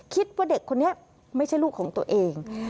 คิดว่าเด็กคนนี้ไม่ใช่ลูกของตัวเอง